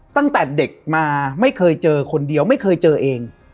ตั้งแต่เด็กมาไม่เคยเจอคนเดียวไม่เคยเจอเอง